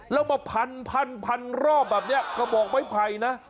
แล้วมาพันรอบแบบนี้กระบอกไม้ไผ่นะ